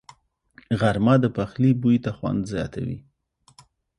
غرمه د پخلي بوی ته خوند زیاتوي